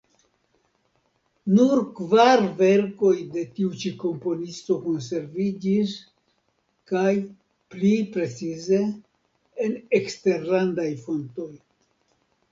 Nur kvar verkoj de tiu ĉi komponisto konserviĝis kaj, pli precize, en eksterlandaj fontoj.